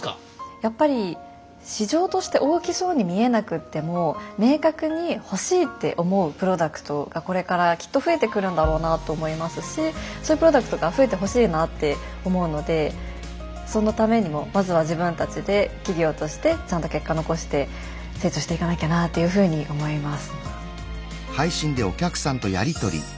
やっぱり市場として大きそうに見えなくっても明確に「欲しい」って思うプロダクトがこれからきっと増えてくるんだろうなと思いますしそういうプロダクトが増えてほしいなって思うのでそのためにもまずは自分たちで企業としてちゃんと結果残して成長していかなきゃなというふうに思います。